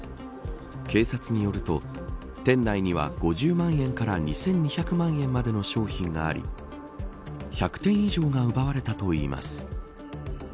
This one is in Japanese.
警察によると店内には５０万円から２２００万円までの商品があり１００点以上が奪われたといいます。